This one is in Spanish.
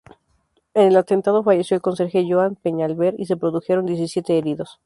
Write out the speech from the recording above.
En el atentado falleció el conserje Joan Peñalver y se produjeron diecisiete heridos.